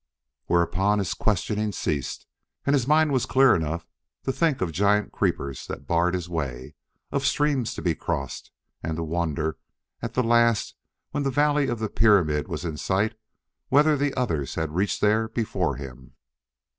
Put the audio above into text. Whereupon his questioning ceased, and his mind was clear enough to think of giant creepers that barred his way, of streams to be crossed, and to wonder, at the last, when the valley of the pyramid was in sight and whether the others had reached there before him.